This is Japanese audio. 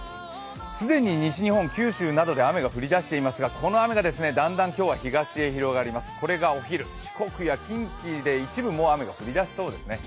既に西日本、九州などで雨が降りだしていますが、この雨がだんだん今日は東へ広がります、これがお昼、四国や近畿でもう一部雨が降り出しそうですね。